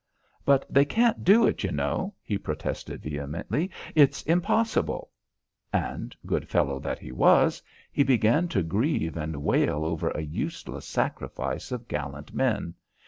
"But they can't do it, you know," he protested vehemently. "It's impossible." And good fellow that he was he began to grieve and wail over a useless sacrifice of gallant men.